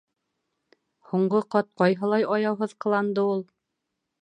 Һуңғы ҡат ҡайһылай аяуһыҙ ҡыланды ул!